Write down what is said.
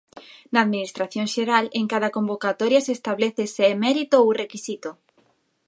Na Administración xeral, en cada convocatoria se establece se é mérito ou requisito.